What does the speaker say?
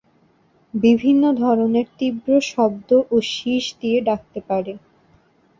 বিভিন্ন ধরনের তীব্র শব্দ ও শিস দিয়ে ডাকতে পারে।